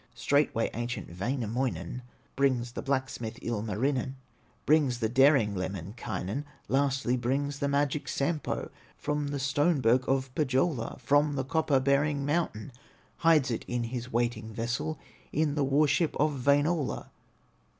Straightway ancient Wainamoinen Brings the blacksmith, Ilmarinen, Brings the daring Lemminkainen, Lastly brings the magic Sampo, From the stone berg of Pohyola, From the copper bearing mountain, Hides it in his waiting vessel, In the war ship of Wainola.